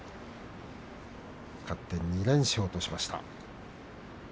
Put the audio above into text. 勝って２連勝としました。